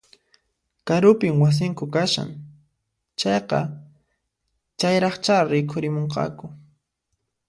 Karupin wasinku kashan, chayqa chayraqchá rikurimunqaku